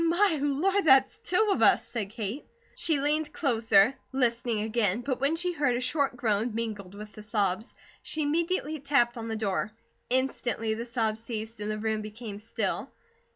"My Lord! THERE'S TWO OF US!" said Kate. She leaned closer, listening again, but when she heard a short groan mingled with the sobs, she immediately tapped on the door. Instantly the sobs ceased and the room became still.